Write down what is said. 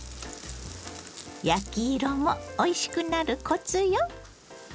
焼き色もおいしくなるコツよ。